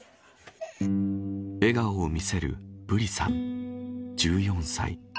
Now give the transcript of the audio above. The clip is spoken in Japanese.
笑顔を見せるブリさん１４歳。